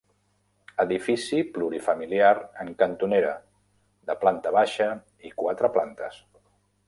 Edifici plurifamiliar en cantonera, de planta baixa i quatre plantes.